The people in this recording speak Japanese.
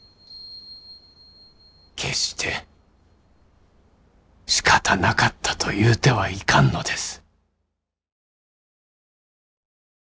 決してしかたなかったと言うてはいかんのです。